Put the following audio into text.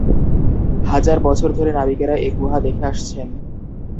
হাজার বছর ধরে নাবিকেরা এ গুহা দেখে আসছেন।